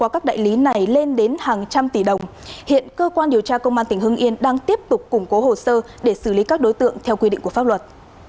các đại lý này lên đến hàng trăm tỷ đồng hiện cơ quan điều tra công an tỉnh hưng yên đang tiếp tục củng cố hồ sơ để xử lý các đối tượng theo quy định của pháp luật